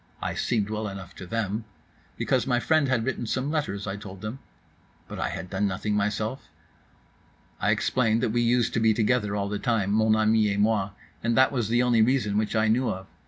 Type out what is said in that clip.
I seemed well enough to them.—Because my friend had written some letters, I told them.—But I had done nothing myself?—I explained that we used to be together all the time, mon ami et moi; that was the only reason which I knew of.